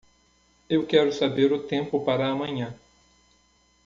Eu quero saber o tempo para amanhã.